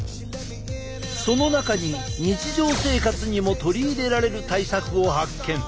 その中に日常生活にも取り入れられる対策を発見。